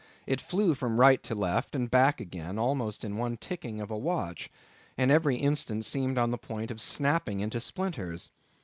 It flew from right to left, and back again, almost in one ticking of a watch, and every instant seemed on the point of snapping into splinters.